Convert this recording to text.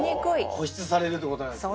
保湿されるってことなんですね。